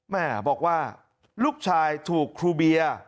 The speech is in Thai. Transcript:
แม่บอกว่าลูกชายถูกครูเบียร์